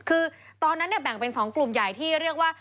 คือตอนนั้นแบ่งเป็น๒กลุ่มใหญ่ที่เรียกว่า